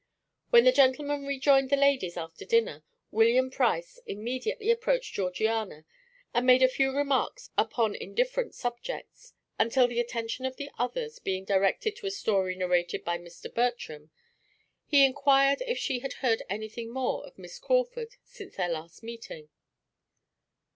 When the gentlemen rejoined the ladies after dinner, William Price immediately approached Georgiana, and made a few remarks upon indifferent subjects, until the attention of the others being directed to a story narrated by Mr. Bertram, he inquired if she had heard anything more of Miss Crawford since their last meeting.